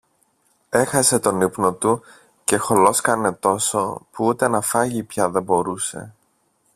Έχασε τον ύπνο του και χολόσκανε τόσο, που ούτε να φάγει πια δεν μπορούσε.